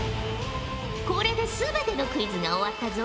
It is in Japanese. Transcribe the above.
これですべてのクイズが終わったぞ。